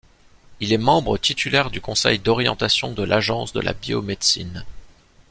Il est membre titulaire du Conseil d'orientation de l'Agence de la biomédecine.